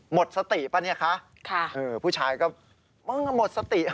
หมดสติป่ะเนี่ยคะผู้ชายก็มึงหมดสติค่ะ